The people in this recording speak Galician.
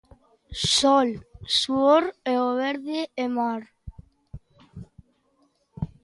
Sol, suor e o verde e mar.